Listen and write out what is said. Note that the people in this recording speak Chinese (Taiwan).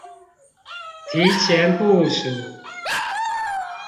提前部署